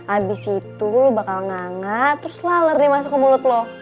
abis itu bakal ngangat terus laler nih masuk ke mulut loh